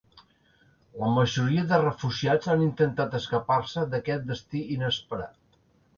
La majoria de refugiats han intentat escapar-se d’aquest destí inesperat.